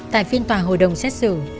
tại phiên tòa hội đồng xét xử